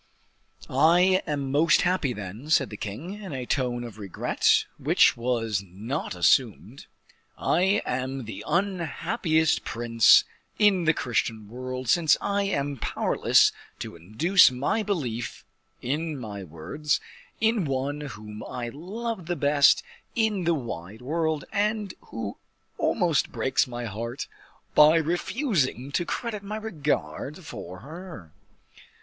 "I am most unhappy, then," said the king, in a tone of regret which was not assumed; "I am the unhappiest prince in the Christian world, since I am powerless to induce belief in my words, in one whom I love the best in the wide world, and who almost breaks my heart by refusing to credit my regard for her."